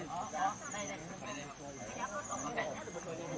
ต้องฝากหลับที่สุดท้าย